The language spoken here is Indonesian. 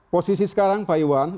posisi sekarang pak ewan